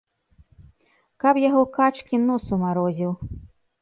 Каб яго качкі, нос умарозіў.